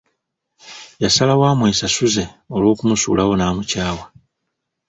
Yasalawo amwesasuze olw'okumusuulawo n'amukyawa.